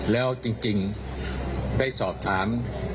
แล้วจริงได้สอบถาม